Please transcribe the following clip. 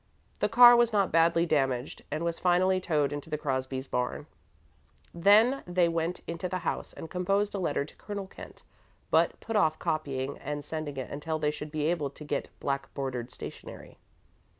The car was not badly damaged and was finally towed into the Crosbys' barn. Then they went into the house and composed a letter to Colonel Kent, but put off copying and sending it until they should be able to get black bordered stationery.